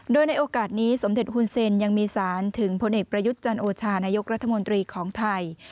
โดยในโอกาสนี้สมเด็จฮุนเซนยังมีสารถึงผลเอกประยุทธ์จันโอชานายกรัฐมนตรีของไทย